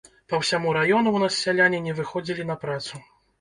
Па ўсяму раёну ў нас сяляне не выходзілі на працу.